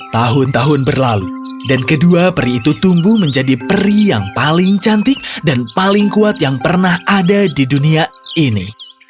tahun tahun berlalu dan kedua peri itu tumbuh menjadi peri yang paling cantik dan paling kuat yang pernah ada di dunia ini